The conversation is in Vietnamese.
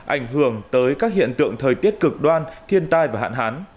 ảnh hưởng tới các hiện tượng thời tiết cực đoan thiên tai và hạn hán